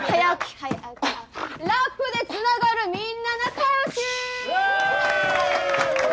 ラップで繋がるみんな仲良し！